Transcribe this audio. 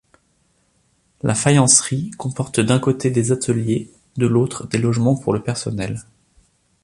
La faïencerie comporte d'un côté des ateliers, de l'autre des logements pour le personnel.